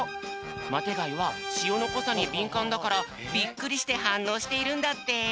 マテがいはしおのこさにびんかんだからびっくりしてはんのうしているんだって。